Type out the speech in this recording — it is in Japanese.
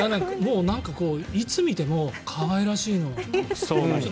いつ見ても可愛らしいの。